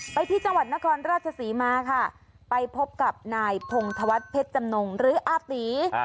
ไปที่จังหวัดนครราชศรีมาค่ะไปพบกับนายพงธวัฒนเพชรจำนงหรืออาตี